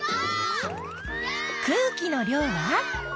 空気の量は？